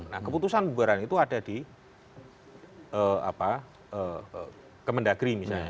nah keputusan bubaran itu ada di kemendagri misalnya